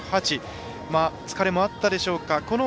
疲れもあったでしょうか。